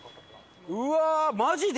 うわーっマジで？